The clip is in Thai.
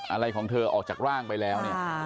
อะไรของเธอออกจากร่างไปแล้วเนี่ย